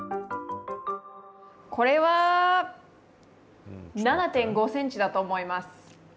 これは７．５センチだと思います。